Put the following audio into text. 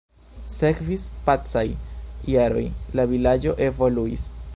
Sekvis pacaj jaroj, la vilaĝo evoluis.